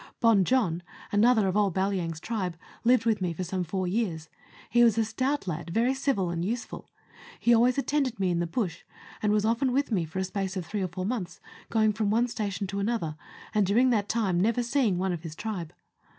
Bon Jon, another of old Balyang's tribe, lived with me for some four years. He was a stout lad, very civil and useful. He always attended me in the bush, and was often with me for a space of three or four months, going from one station to another, and during that time never seeing one of his tribe.